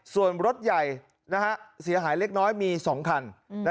ส่วนรถใหญ่เสียหายเล็กน้อยมี๒คัน